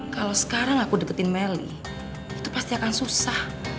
kalau sekarang aku deketin melly itu pasti akan susah